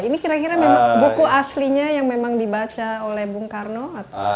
ini kira kira memang buku aslinya yang memang dibaca oleh bung karno